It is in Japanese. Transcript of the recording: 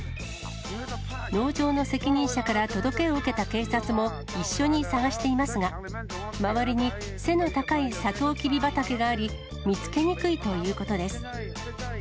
農場の責任者から届を受けた警察も一緒に捜していますが、周りに背の高いサトウキビ畑があり、見つけにくいということです。